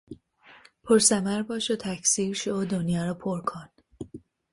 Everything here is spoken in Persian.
پرثمر باش و تکثیر شو و دنیا را پرکن.